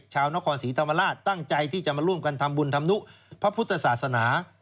ชาวนครศรีธรรมราชตั้งใจที่จะมาร่วมกันทำบุญทำนุพระพุทธศาสนา